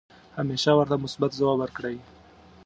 همیشه ورته مثبت ځواب ورکړئ .